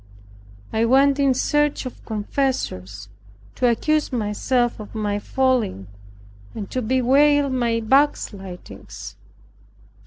I went in search of confessors, to accuse myself of my failing, and to bewail my backslidings.